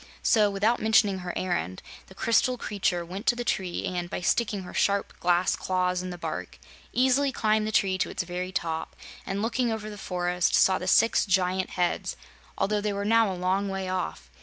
So, without mentioning her errand, the crystal creature went to the tree and, by sticking her sharp glass claws in the bark, easily climbed the tree to its very top and, looking over the forest, saw the six giant heads, although they were now a long way off.